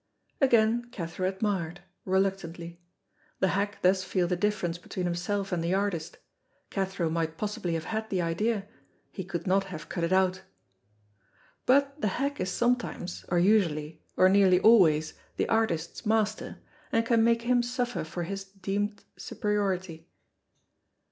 Again Cathro admired, reluctantly. The hack does feel the difference between himself and the artist. Cathro might possibly have had the idea, he could not have cut it out. But the hack is sometimes, or usually, or nearly always the artist's master, and can make him suffer for his dem'd superiority.